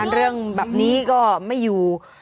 เรื่องแบบนี้ก็ไม่อยู่